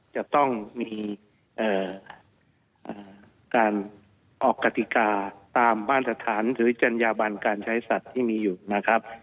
จะต้องมีการออกกติกาตามมาตรฐานหรือจัญญาบันการใช้สัตว์ที่มีอยู่นะครับ